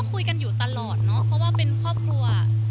คุยกันอยู่ตลอดเนาะเพราะว่าเป็นครอบครัว